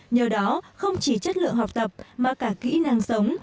nhờ đó không chỉ chất lượng học tập mà cả kỹ năng sống